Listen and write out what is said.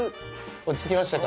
落ち着きましたか？